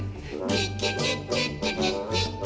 「キッキキッキッキキッキッキ」